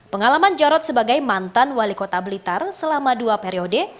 pengalaman jarod sebagai mantan wali kota blitar selama dua periode